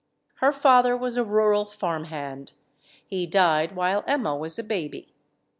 Her father was a rural farm hand. He died while Emma was a baby.